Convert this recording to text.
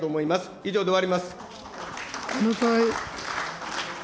以上で終わります。